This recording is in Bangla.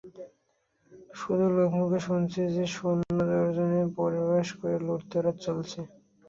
শুধু লোকমুখে শুনেছে যে, সৈন্য জর্দানে প্রবেশ করে লুটতরাজ চালাচ্ছে।